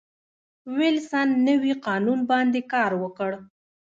وېلسن نوي قانون باندې کار وکړ.